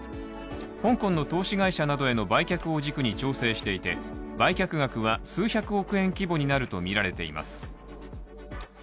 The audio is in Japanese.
香港の投資会社などへの売却を軸に調整していて売却額は数百億円規模になるとみられています。